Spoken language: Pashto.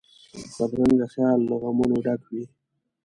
بدرنګه خیال له غمونو ډک وي